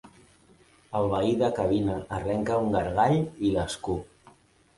El veí de cabina arrenca un gargall i l'escup.